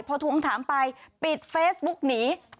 พอถูกต้องถามไปปิดเฟซบุ๊กนี้